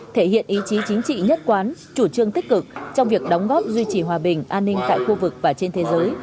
thể hiện ý chí chính trị nhất quán chủ trương tích cực trong việc đóng góp duy trì hòa bình an ninh tại khu vực và trên thế giới